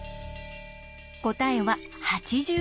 答えは８４。